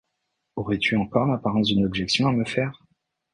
Aurais-tu encore l’apparence d’une objection à me faire?